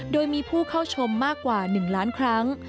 โดยมีผู้เข้าชมมากกว่า๑ล้านครั้ง